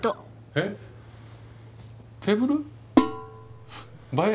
えっテーブル？ばえる？